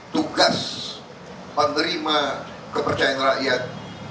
tugas penerima kepercayaan rakyat